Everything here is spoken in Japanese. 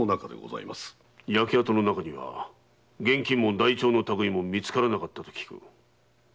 焼け跡からは現金も台帳の類いも見つからなかったと聞く。